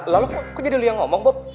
lalu kok aku jadi liang ngomong bob